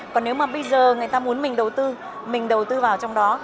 còn nếu mà bây giờ người ta muốn mình đầu tư mình đầu tư vào trong đó